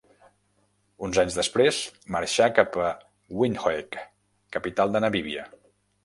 Uns anys després marxà cap a Windhoek, capital de Namíbia.